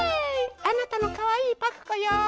あなたのかわいいパクこよ。